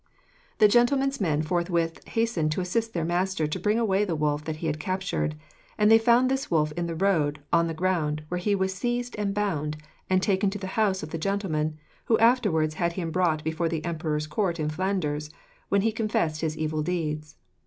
The gentleman's men forthwith hastened to assist their master to bring away the wolf that he had captured. And they found this wolf in the road, on the ground, where he was seized and bound, and taken to the house of the gentleman, who afterwards had him brought before the Emperor's Court in Flanders, when he confessed his evil deeds.